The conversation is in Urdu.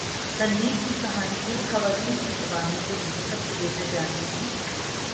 قندیل کی کہانی ان خواتین کی زبانی جو انہیں سب سےبہتر جانتی تھیں